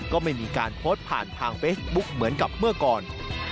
ก็ไม่มีการโพสต์ผ่านทางเฟซบุ๊คเหมือนกับเมื่อก่อน